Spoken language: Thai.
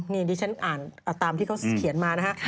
นี่ดิฉันอ่านตามที่เขาเขียนมานะฮะ